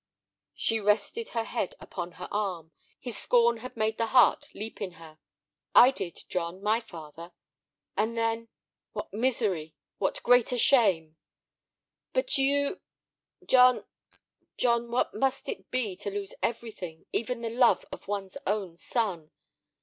She rested her head upon her arm; his scorn had made the heart leap in her. "I did, John, my father. And then—What misery! What greater shame!" "But you—" "John—John, what must it be to lose everything, even the love of one's own son?